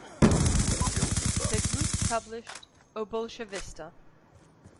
The group published "O Bolchevista".